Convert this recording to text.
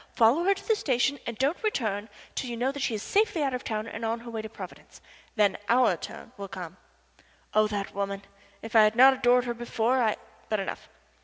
Follow her to the station, and don't return till you know she is safely out of town and on her way to Providence. Then our turn will come." Oh, that woman! If I had not adored her before I but enough.